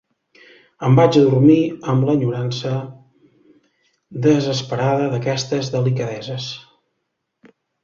Em vaig adormir amb l'enyorança desesperada d'aquestes delicadeses .